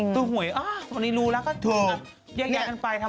จริงหวยตอนนี้รู้แล้วก็ยากกันไปทำไมไม่เห็น